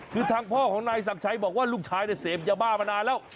คือทางพ่อของนายศักดิ์ชัยบอกว่าลูกชายเนี่ยเสพยาบ้ามานานแล้ว